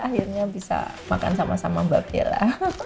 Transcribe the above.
akhirnya bisa makan sama sama mbak bella